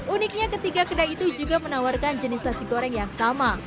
uniknya ketiga kedai itu juga menawarkan jenis nasi goreng yang sama